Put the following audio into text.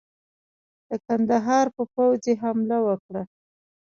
د کندهار پر پوځ یې حمله وکړه.